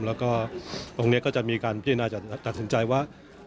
แล้วก็ตรงนี้ก็จะมีการพิจารณาตัดสินใจว่า